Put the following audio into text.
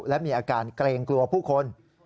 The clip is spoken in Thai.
และมีอาการเกรงกลัวผู้คน